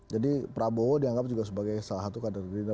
jadi prabowo dianggap juga sebagai salah satu kader gerindra